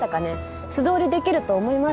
素通りできると思います？